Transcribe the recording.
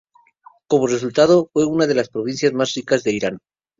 Como resultado, fue una de las provincias más ricas de Irán.